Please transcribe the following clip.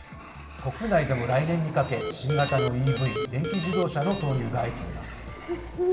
国内でも来年にかけ、新型のＥＶ・電気自動車の投入が相次ぎます。